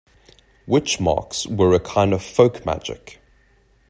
Witch marks were a kind of folk magic.